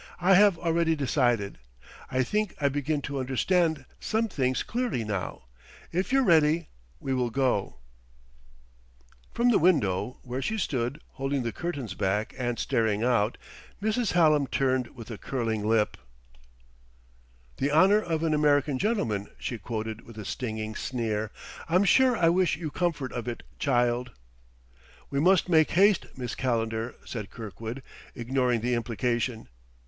"I have already decided. I think I begin to understand some things clearly, now.... If you're ready, we will go." From the window, where she stood, holding the curtains back and staring out, Mrs. Hallam turned with a curling lip. [Illustration: From the window, Mrs. Hallam turned with a curling lip.] "'The honor of an American gentleman,'" she quoted with a stinging sneer; "I'm sure I wish you comfort of it, child!" "We must make haste, Miss Calendar," said Kirkwood, ignoring the implication.